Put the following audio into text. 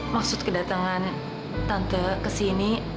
maksud kedatangan tante kesini